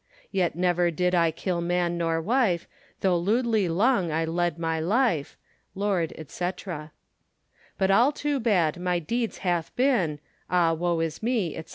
Yet never did I kil man nor wife, Though lewdly long I led my life. Lord, &c. But all too bad my deedes hath been, Ah woe is me, &c.